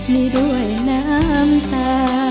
นี่ด้วยน้ำตา